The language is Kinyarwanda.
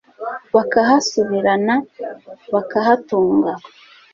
bakahasubirana, bakahatunga